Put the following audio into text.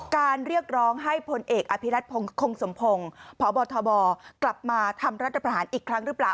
เรียกร้องให้พลเอกอภิรัตงคงสมพงศ์พบทบกลับมาทำรัฐประหารอีกครั้งหรือเปล่า